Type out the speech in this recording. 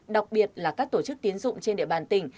đặc biệt là các tổ chức tiến dụng trên địa bàn tỉnh